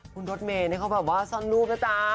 คุณรถเมย์นี่เขาแบบว่าซ่อนรูปนะจ๊ะ